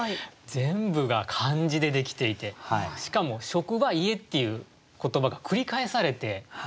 全部が漢字でできていてしかも「職場」「家」っていう言葉が繰り返されていますね。